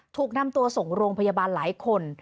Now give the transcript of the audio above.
ถูกนำตัวส่งโรงพยาบาลหลายคน